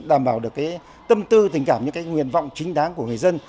đảm bảo được tâm tư tình cảm những nguyện vọng chính đáng của người dân